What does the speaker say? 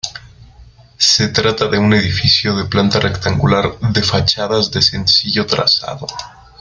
Se trata de un edificio de planta rectangular de fachadas de sencillo trazado.